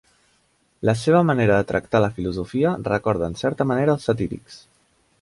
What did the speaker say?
La seva manera de tractar la filosofia recorda en certa manera els satírics.